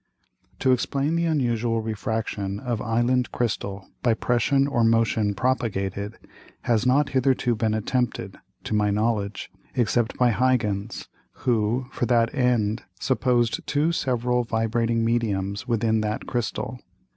] To explain the unusual Refraction of Island Crystal by Pression or Motion propagated, has not hitherto been attempted (to my knowledge) except by Huygens, who for that end supposed two several vibrating Mediums within that Crystal.